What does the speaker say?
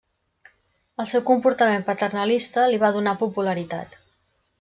El seu comportament paternalista li va donar popularitat.